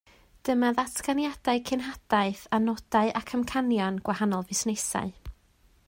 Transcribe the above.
Dyma ddatganiadau cenhadaeth a nodau ac amcanion gwahanol fusnesau